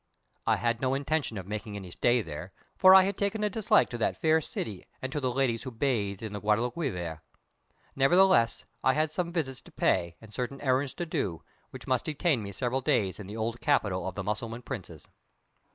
I had no intention of making any stay there, for I had taken a dislike to that fair city, and to the ladies who bathed in the Guadalquivir. Nevertheless, I had some visits to pay, and certain errands to do, which must detain me several days in the old capital of the Mussulman princes.